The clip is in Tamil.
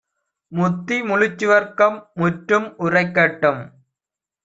முத்தி முழுச்சுவர்க்கம் முற்றும் உரைக்கட்டும்.